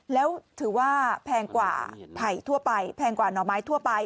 แล้วถือว่าแพงกว่าไผ่ทั่วไปแพงกว่าหน่อไม้ทั่วไป